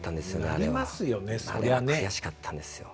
あれは悔しかったんですよ。